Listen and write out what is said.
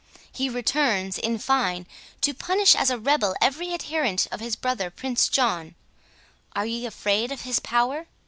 He returns, in fine, to punish as a rebel every adherent of his brother Prince John. Are ye afraid of his power?"